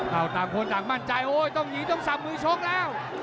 เอาต่างคนต่างมั่นใจโอ้ยต้องหนีต้องสับมือชกแล้ว